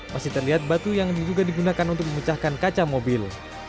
masih terlihat batu yang diduga digunakan untuk memecahkan kaca mobil